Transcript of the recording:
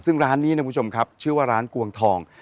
ซึ่งร้านนี้นะครับคุณผู้ชมครับชื่อว่าร้านกวงทอง